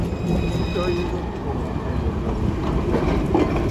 Kiki kyoyinza okukola okukendeeza obulumi?